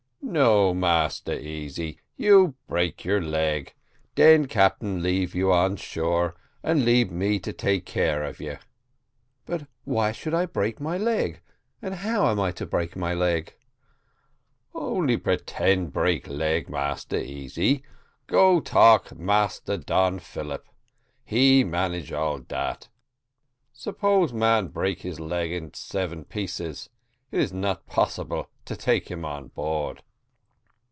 "No, Massa Easy you break your leg den captain leave you shore, and leave me take care of you." "But why should I break my leg, and how am I to break my leg?" "Only pretend break leg, Massa Easy. Go talk Massa Don Philip, he manage all dat. Suppose man break his leg in seven pieces, it is not possible to take him board."